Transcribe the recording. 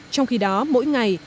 trong khi đó mỗi ngày